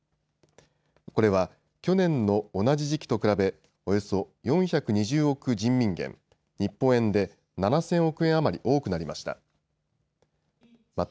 これは、去年の同じ時期と比べおよそ４２０億人民元、日本円で７０００億円余り多くなりました。